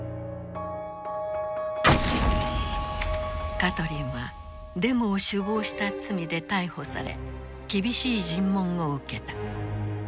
カトリンはデモを首謀した罪で逮捕され厳しい尋問を受けた。